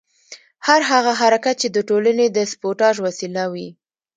هر هغه حرکت چې د ټولنې د سبوټاژ وسیله وي.